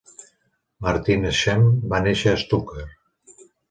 Martin Schempp va néixer a Stuttgart.